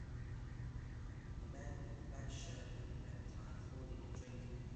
A man in a black shirt and red tie holding a drink.